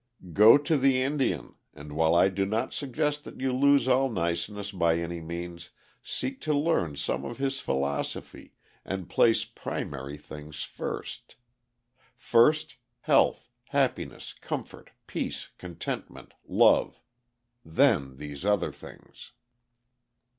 Go to the Indian, and while I do not suggest that you lose all niceness by any means, seek to learn some of his philosophy and place primary things first. First, health, happiness, comfort, peace, contentment, love; then these other things.